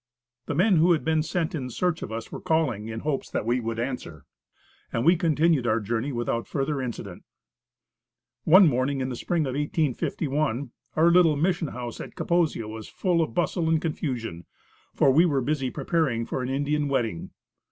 The men who had been sent in search of us were calling, in hopes that we would answer and we continued our journey without further incident. One morning in the spring of 1851, our little mission house at Kaposia was full of bustle and confusion, for we were busy preparing for an Indian wedding.